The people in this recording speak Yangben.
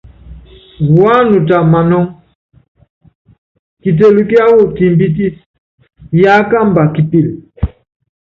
Wanuta manɔ́ŋ, kitel kiáwɔ timbitis yakamba kipil.